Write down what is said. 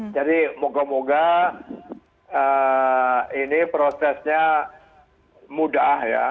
jadi moga moga ini prosesnya mudah ya